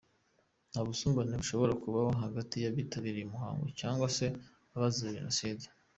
Nta busumbane bushobora kubaho hagati y’abitabiriye umuhango cyangwa se abazize Jenoside.